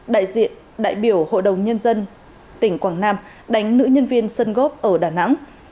đại diện đại biểu hội đồng nhân dân tỉnh quảng nam đánh nữ nhân viên sân gốc ở đà nẵng